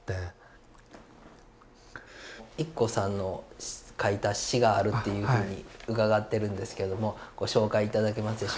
育子さんの書いた詩があるっていうふうに伺ってるんですけどもご紹介頂けますでしょうか。